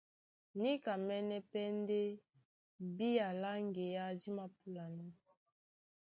Níkamɛ́nɛ́ pɛ́ ndé bía lá ŋgeá dí māpúlanɔ́.